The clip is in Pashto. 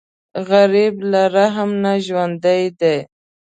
غریب له رحم نه ژوندی دی